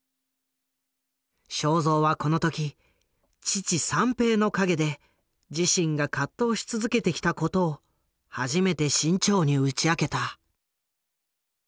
正蔵はこの時父三平の陰で自身が葛藤し続けてきたことを初めて志ん朝に打ち明けた。